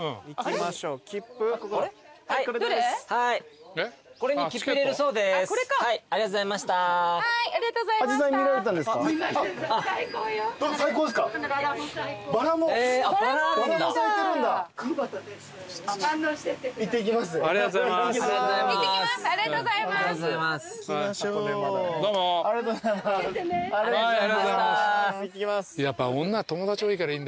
やっぱ女は友達多いからいいんだよな。